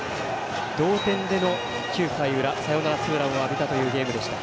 同点での９回裏サヨナラツーランを浴びたというゲームでした。